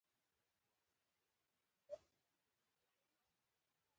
همداسې یې پر هغې کلا تېر کړل.